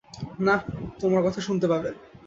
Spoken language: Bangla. না, তোমার কথা শুনতে পাবে।